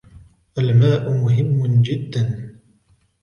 الماء مهم جدا.